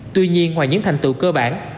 tuy nhiên ngoài những thành tựu cơ bản